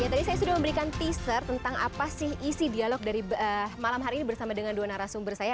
tadi saya sudah memberikan teaser tentang apa sih isi dialog dari malam hari ini bersama dengan dua narasumber saya